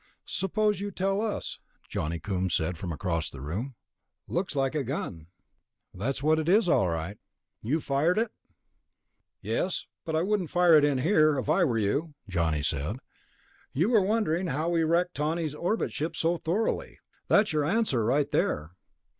"Suppose you tell us," Johnny Coombs said from across the room. "It looks like a gun." "That's what it is, all right." "You've fired it?" "Yes ... but I wouldn't fire it in here, if I were you," Johnny said. "You were wondering how we wrecked Tawney's orbit ship so thoroughly. That's your answer right there."